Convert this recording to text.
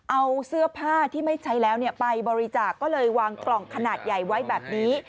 เอาเสื้อผ้าที่ไม่ใช้แล้วไปบริจาคก็เลยวางกล่องขนาดใหญ่ไว้แบบนี้